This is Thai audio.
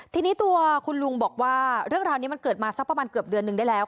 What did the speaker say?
ทีนี้ตัวคุณลุงบอกว่าเรื่องราวนี้มันเกิดมาสักประมาณเกือบเดือนนึงได้แล้ว